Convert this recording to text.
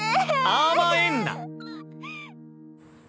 甘えんな！